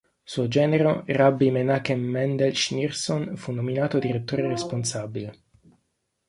Suo genero Rabbi Menachem Mendel Schneersohn fu nominato direttore responsabile.